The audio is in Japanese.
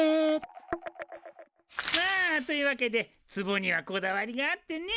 まあというわけでつぼにはこだわりがあってね。